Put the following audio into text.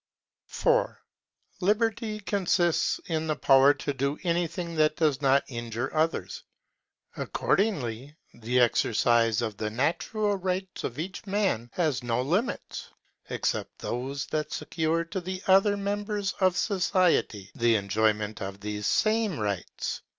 4. Liberty consists in the power to do anything that does not injure others; accordingly, the exercise of the natural rights of each man has no limits except those that secure to the other members of society the enjoyment of these same rights.